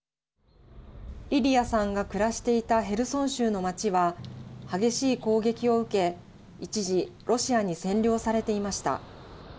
リリアさんが暮らしていたヘルソン州の町は激しい攻撃を受け一時ロシアに占領されていました。